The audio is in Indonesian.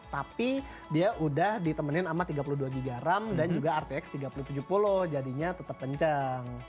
tapi dia udah ditemenin sama tiga puluh dua gram dan juga rpx tiga puluh tujuh puluh jadinya tetap kencang